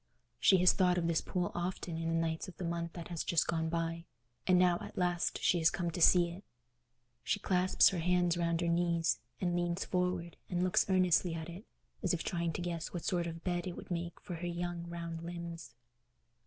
She has thought of this pool often in the nights of the month that has just gone by, and now at last she is come to see it. She clasps her hands round her knees, and leans forward, and looks earnestly at it, as if trying to guess what sort of bed it would make for her young round limbs.